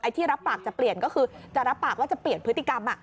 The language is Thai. ที่รับปากจะเปลี่ยนก็คือจะรับปากว่าจะเปลี่ยนพฤติกรรม